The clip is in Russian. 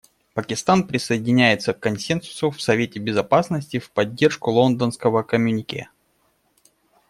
Пакистан присоединяется к консенсусу в Совете Безопасности в поддержку Лондонского коммюнике.